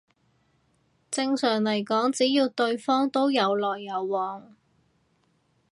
正常嚟講只要對方都有來有往